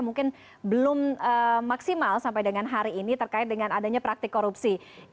mungkin belum maksimal sampai dengan hari ini terkait dengan adanya praktik korupsi